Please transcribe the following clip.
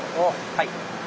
はい。